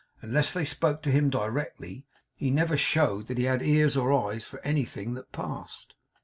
Unless they spoke to him directly, he never showed that he had ears or eyes for anything that passed.